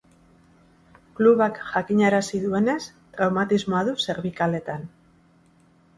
Klubak jakinarazi duenez, traumatismoa du zerbikaletan.